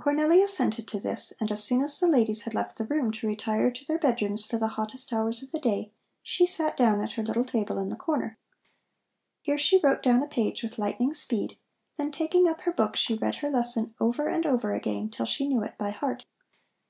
Cornelli assented to this, and as soon as the ladies had left the room to retire to their bedrooms for the hottest hours of the day, she sat down at her little table in the corner. Here she wrote down a page with lightning speed, then taking up her book she read her lesson over and over again till she knew it by heart.